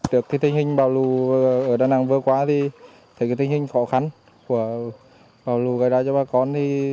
trước cái tình hình bảo lưu ở đà nẵng vừa qua thì thấy cái tình hình khó khăn của bảo lưu gây ra cho bà con thì